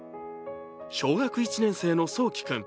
小学１年生のそうき君。